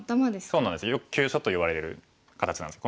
そうなんですよく急所といわれる形なんです。